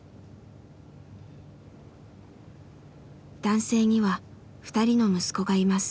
男性には２人の息子がいます。